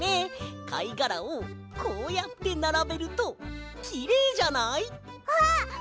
かいがらをこうやってならべるときれいじゃない？あっほんとだ！